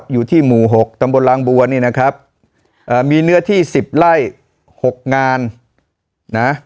อยู่ที่หมู่๖ตำบลลางบัวนี่นะครับมีเนื้อที่สิบไร่๖งานนะ